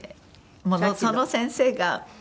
もうその先生が。